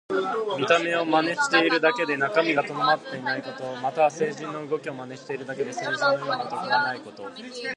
見た目を真似しているだけで中身が伴っていないこと。または、聖人の動きを真似しているだけで聖人のような徳はないこと。